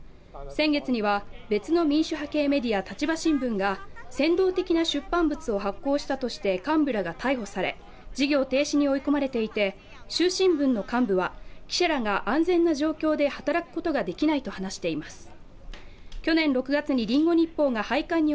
先月には別の民主派系メディア「立場新聞」が扇動的な出版物を発行したとして幹部らが逮捕され、事業停止に追い込まれていて、「衆新聞」の幹部は、記者らが安全な状況で働くことができないと話しています。